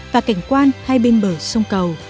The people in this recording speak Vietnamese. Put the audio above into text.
và cảnh quan hai bên bờ sông cầu